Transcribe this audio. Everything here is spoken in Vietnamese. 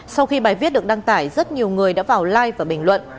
sau khi bài viết được đăng tải rất nhiều người đã vào like và bình luận